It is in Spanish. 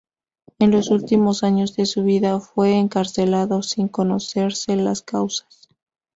En los últimos años de su vida fue encarcelado sin conocerse las causas.